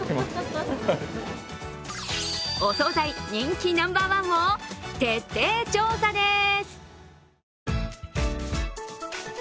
お総菜二期ナンバーワンを徹底調査です！